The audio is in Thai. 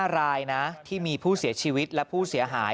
๕รายนะที่มีผู้เสียชีวิตและผู้เสียหาย